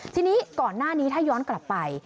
ทีนี้ก่อนหน้านี้ถ้าย้อนกลับไป